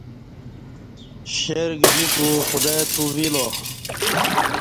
شیر گجیکو خدائی تووی لا